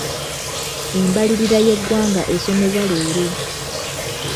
Embalirira y'eggwanga esomebwa leero.